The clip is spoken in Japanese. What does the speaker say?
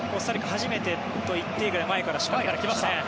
初めてと言っていいぐらい前から仕掛けてきましたね。